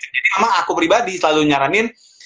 jadi memang aku pribadi selalu nyaranin